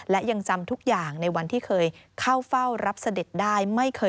และยังจำทุกอย่างในวันที่เคยเข้าเฝ้ารับเสด็จได้